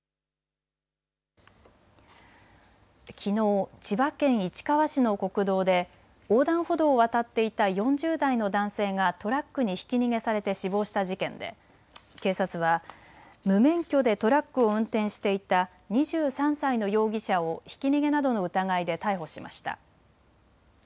きのう千葉県市川市の国道で横断歩道を渡っていた４０代の男性がトラックにひき逃げされて死亡した事件で警察は無免許でトラックを運転していた２３歳の容疑者をひき逃げなどの疑いで逮捕しました。